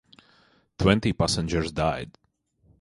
Twenty passengers died.